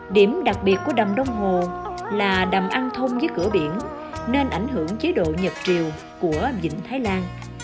điểm đặc biệt của đầm đông hồ là đầm ăn thông dưới cửa biển nên ảnh hưởng chế độ nhật triều của vĩnh thái lan